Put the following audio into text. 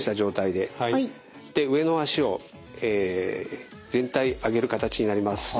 で上の脚を全体上げる形になります。